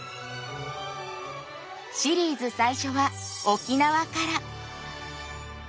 シリーズ最初は沖縄から。